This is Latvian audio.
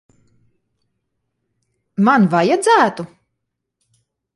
Man vajadzētu?